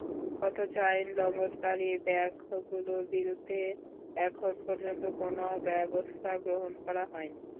অথচ আইন লঙ্ঘনকারী ব্যাংকগুলোর বিরুদ্ধে এখন পর্যন্ত কোনো ব্যবস্থা গ্রহণ করা হয়নি।